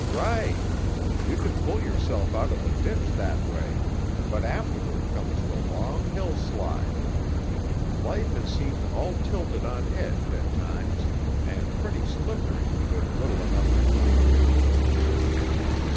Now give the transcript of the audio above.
"Right! You can pull yourself out of the ditch that way; but afterward comes the long hillside. Life has seemed all tilted on edge, at times, and pretty slippery, with little enough to cling to."